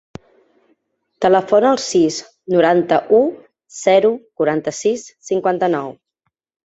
Telefona al sis, noranta-u, zero, quaranta-sis, cinquanta-nou.